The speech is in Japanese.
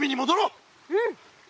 うん。